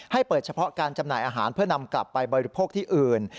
ให้เปิดเฉพาะการจำหน่ายอาหารเพื่อนำกลับไปบริโภคที่อื่น